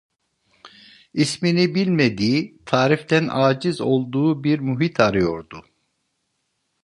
İsmini bilmediği, tariften âciz olduğu bir muhit arıyordu.